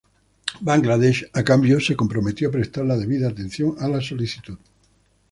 Bangladesh, a cambio, se comprometió a prestar la debida atención a la solicitud.